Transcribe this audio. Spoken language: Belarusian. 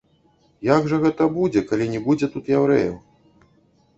Як жа гэта будзе, калі не будзе тут яўрэяў?